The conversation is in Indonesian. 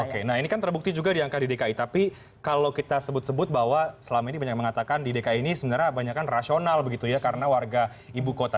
oke nah ini kan terbukti juga di angka di dki tapi kalau kita sebut sebut bahwa selama ini banyak yang mengatakan di dki ini sebenarnya banyakan rasional begitu ya karena warga ibu kota